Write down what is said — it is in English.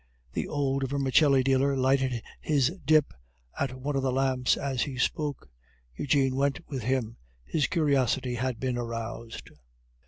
The old vermicelli dealer lighted his dip at one of the lamps as he spoke. Eugene went with him, his curiosity had been aroused.